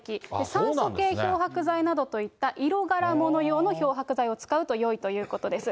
酸素系漂白剤などといった色柄物用の漂白剤を使うとよいということです。